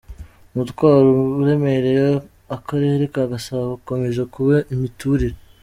Umutwaro uremereye Akarere ka Gasabo ukomeje kuba imiturire